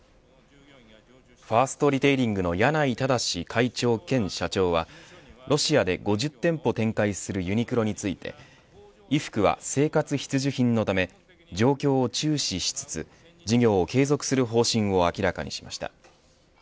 ファーストリテイリングの柳井正会長兼社長はロシアで５０店舗展開するユニクロについて衣服は生活必需品のため状況を注視しつつ事業を継続する方針を明らかにしました。